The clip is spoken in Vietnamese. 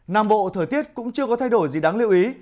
nam bộ thời tiết cũng chưa có thay đổi gì đáng lưu ý